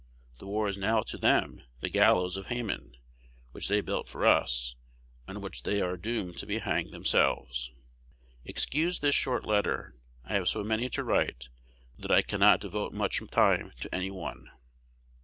The war is now to them the gallows of Haman, which they built for us, and on which they are doomed to be hanged themselves. Excuse this short letter. I have so many to write that I cannot devote much time to any one.